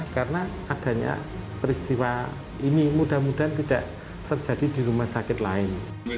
karena adanya peristiwa ini mudah mudahan tidak terjadi di rumah sakit lain